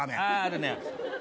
ああるね。